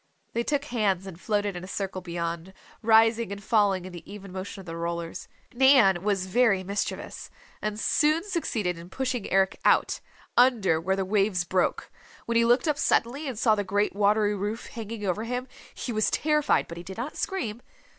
They took hands and floated in a circle beyond, rising and falling in the even motion of the rollers. Nan was very mischievous, and soon succeeded in pushing Eric out, under where the waves broke. When he looked up suddenly and saw the great watery roof hanging over him, he was terrified but he did not scream.